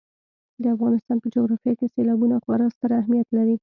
د افغانستان په جغرافیه کې سیلابونه خورا ستر اهمیت لري.